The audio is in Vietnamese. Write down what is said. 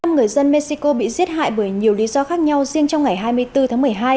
một mươi người dân mexico bị giết hại bởi nhiều lý do khác nhau riêng trong ngày hai mươi bốn tháng một mươi hai